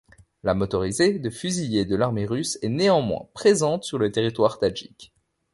La motorisée de fusiliers de l'armée russe est néanmoins présente sur le territoire tadjik.